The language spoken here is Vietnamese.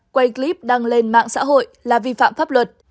quay clip đăng lên mạng xã hội là vi phạm pháp luật